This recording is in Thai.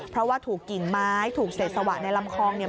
เพราะว่าถูกกิ่งไม้ถูกเศษสวะในลำคลองเนี่ย